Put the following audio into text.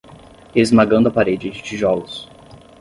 Esmagando a parede de tijolos